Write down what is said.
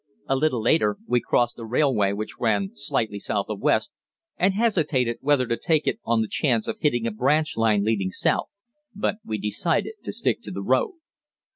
A little later we crossed a railway which ran slightly south of west, and hesitated whether to take it on the chance of hitting a branch line leading south, but we decided to stick to the road.